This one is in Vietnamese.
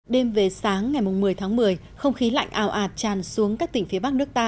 đêm về sáng ngày một mươi tháng một mươi không khí lạnh ảo ạt tràn xuống các tỉnh phía bắc nước ta